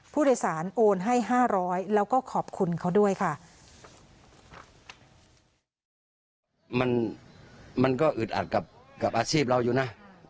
ผู้โดยศาลโอนให้๕๐๐แล้วก็ขอบคุณเขาด้วยค่ะ